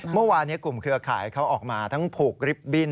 เมื่อวานนี้กลุ่มเครือข่ายเขาออกมาทั้งผูกริบบิ้น